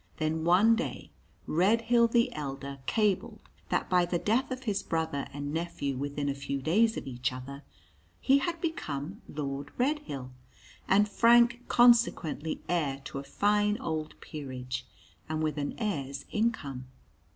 Then one day Redhill the elder cabled that by the death of his brother and nephew within a few days of each other, he had become Lord Redhill, and Frank consequently heir to a fine old peerage, and with an heir's income.